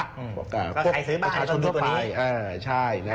ก็ใครซื้อบ้านต้องดูตัวนี้